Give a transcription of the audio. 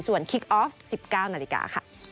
ส่วนคิกออฟ๑๙นาฬิกาค่ะ